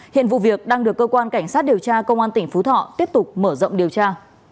hiện vụ việc đang được cơ quan cảnh sát điều tra công an tỉnh phú thọ tiếp tục mở rộng điều tra